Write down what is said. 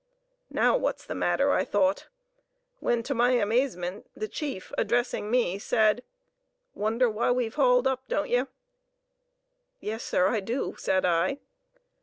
Now what's the matter? I thought; when to my amazement the chief, addressing me, said, "Wonder why we've hauled up, don't ye?" "Yes, sir, I do," said I.